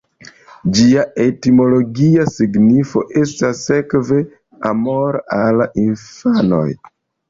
Ĝia etimologia signifo estas sekve 'amoro al infanoj'.